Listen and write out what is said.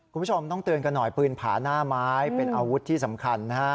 คุณผู้ชมต้องเตือนกันหน่อยปืนผาหน้าไม้เป็นอาวุธที่สำคัญนะฮะ